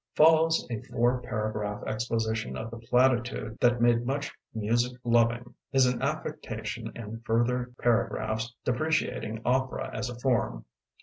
Follows a four paragraph exposition of the platitude that much music lov ing is an affectation and further para graphs depreciating opera as a form.